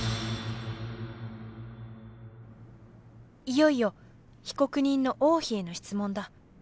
いよいよ被告人の王妃への質問だ。